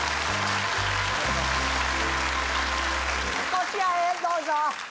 こちらへどうぞ。